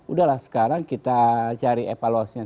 udah lah sekarang kita cari evaluasinya